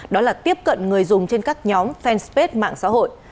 đó là tiếp cận người dùng trên các nhóm fan space mạng xã hội